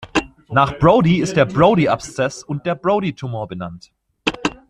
Nach Brodie ist der Brodie-Abszess und der Brodie-Tumor benannt.